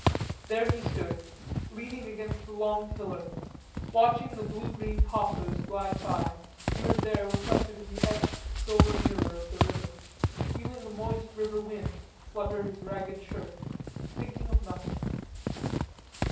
There he stood, leaning against the long tiller, watching the blue green poplars glide by, here and there reflected in the etched silver mirror of the river, feeling the moist river wind flutter his ragged shirt, thinking of nothing.